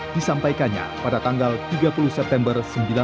disampaikannya pada tanggal tiga puluh september seribu sembilan ratus empat puluh